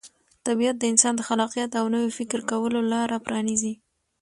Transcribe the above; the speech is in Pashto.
طبیعت د انسان د خلاقیت او نوي فکر کولو لاره پرانیزي.